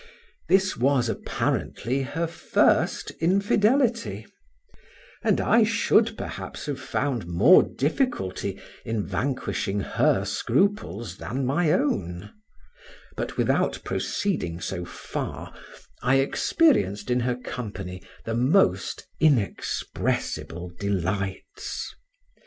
This was, apparently, her first infidelity, and I should, perhaps, have found more difficulty in vanquishing her scruples than my own; but, without proceeding so far, I experienced in her company the most inexpressible delights.